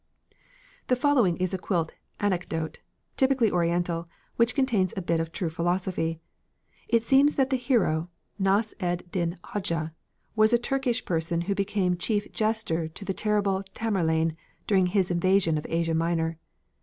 The following is a quilt anecdote, typically oriental, which contains a bit of true philosophy. It seems that the hero, Nass ed Din Hodja, was a Turkish person who became chief jester to the terrible Tamerlane during his invasion of Asia Minor.